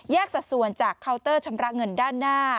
สัดส่วนจากเคาน์เตอร์ชำระเงินด้านหน้า